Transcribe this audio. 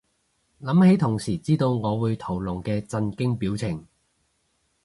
諗起同事知道我會屠龍嘅震驚表情